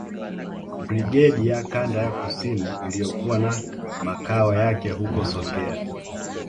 Brigedi ya Kanda ya Kusini iliyokuwa na makao yake huko Songea